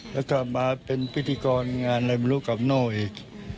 งั้นถ้ามาเป็นพิธีกรงานรำรูกกับโน่อีก